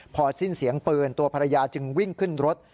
พอสิ้นเสียงปืนตัวภรรยาจึงวิ่งขึ้นรถ